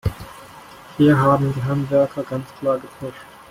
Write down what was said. Hier haben die Handwerker ganz klar gepfuscht.